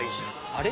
あれ？